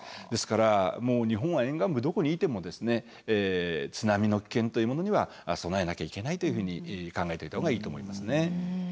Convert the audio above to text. ですからもう日本は沿岸部どこにいても津波の危険というものには備えなきゃいけないというふうに考えといた方がいいと思いますね。